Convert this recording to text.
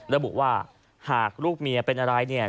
ระบุว่าหากลูกเมียเป็นอะไรเนี่ย